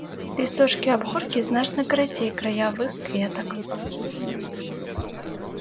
Лісточкі абгорткі значна карацей краявых кветак.